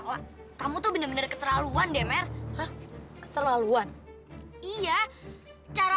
sampai jumpa di video selanjutnya